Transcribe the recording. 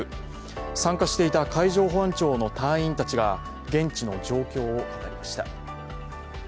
参加していた海上保安庁の隊員たちが現地の状況を語りました。